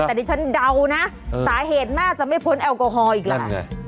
แต่ดิฉันเดานะสาเหตุน่าจะไม่พ้นแอลกอฮอลอีกแล้ว